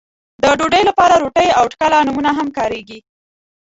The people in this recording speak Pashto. د ډوډۍ لپاره روټۍ او ټکله نومونه هم کاريږي.